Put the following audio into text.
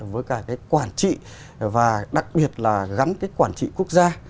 với cả cái quản trị và đặc biệt là gắn cái quản trị quốc gia